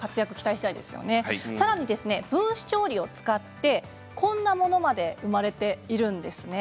さらに、分子調理を使ってこんなものまで生まれているんです。